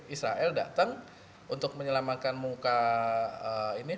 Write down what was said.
israel datang untuk menyelamatkan muka ini